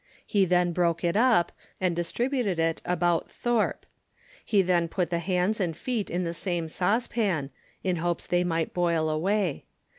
He then broke it up, and distributed it about Thorpe. He then put the hands and feet in the same saucepan, in hopes they might boil away.